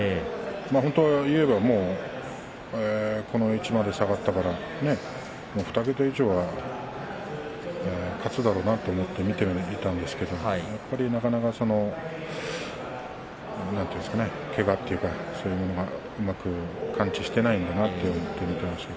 本当のことを言えばこの位置まで下がったから２桁以上は勝つだろうなと思って見ていたんですけれどやっぱり、なかなかけがっていうかそういうものがうまく完治していないんだなと思って見ていました。